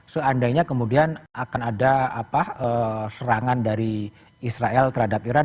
seandainya kemudian akan ada serangan dari israel terhadap iran